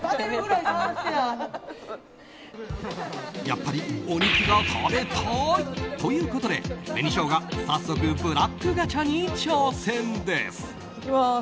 やっぱりお肉が食べたいということで紅しょうが早速ブラックガチャに挑戦です。